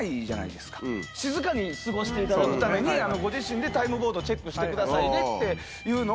静かに過ごしていただくためにご自身でタイムボードチェックしてくださいねっていうのを。